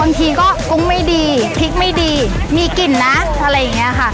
บางทีก็กุ้งไม่ดีพริกไม่ดีมีกลิ่นนะอะไรอย่างนี้ค่ะ